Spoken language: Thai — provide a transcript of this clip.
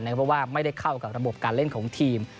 เพราะว่าไม่ได้เข้ากับระบบการเล่นของทีม